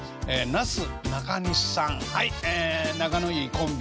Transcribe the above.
なすなかにしさん。